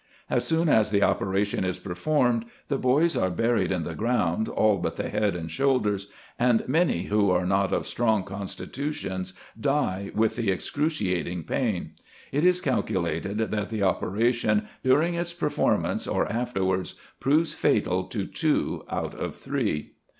As soon as the operation is performed the boys are buried in the ground, all but the head and shoulders ; and many, who are not of strong constitutions, die with the excruciating pain. It is calculated, that the operation, during its performance or afterwards, proves fatal to two out of three.